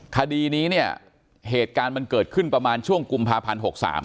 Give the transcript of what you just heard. คดีนี้เนี่ยเหตุการณ์มันเกิดขึ้นประมาณช่วงกุมภาพันธ์๖๓